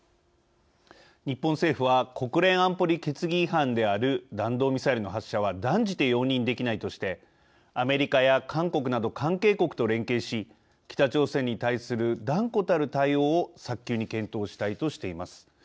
日本政府は国連安保理決議違反である弾道ミサイルの発射は断じて容認できないとしてアメリカや韓国など関係国と連携し北朝鮮に対する断固たる対応を早急に検討したいとしています。